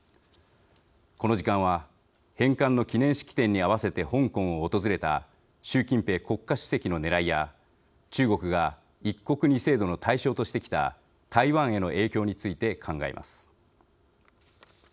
この時間は返還の記念式典に合わせて香港を訪れた習近平国家主席のねらいや中国が一国二制度の対象としてきた台湾への影響について考えます。